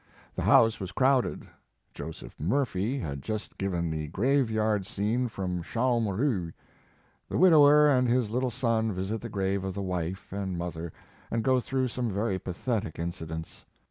The house was crowded. Joseph Murphy had just given the graveyard scene from "Shaun Rhue." The widower and his little son visit the grave of the wife and mother and go through some very pathetic in cidents.